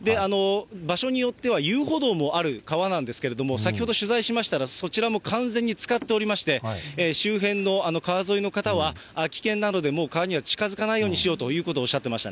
場所によっては、遊歩道もある川なんですけれども、先ほど取材しましたら、そちらも完全につかっておりまして、周辺の川沿いの方は、危険なので、もう川には近づかないようにしようということをおっしゃってまし